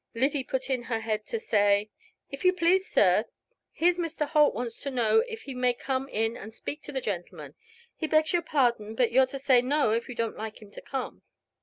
Lyddy put in her head to say "If you please, sir, here's Mr. Holt wants to know if he may come in and speak to the gentleman. He begs your pardon, but you're to say 'no' if you don't like him to come."